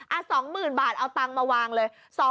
อ่ะ๒๐๐๐๐บาทเอาเงินมาวางเลย